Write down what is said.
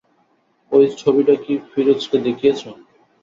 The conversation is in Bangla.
ঐ ছবিটা কি ফিরোজকে দেখিয়েছ?